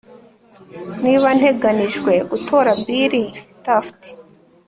Niba nteganijwe gutora Bill Taft